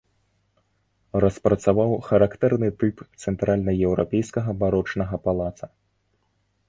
Распрацаваў характэрны тып цэнтральнаеўрапейскага барочнага палаца.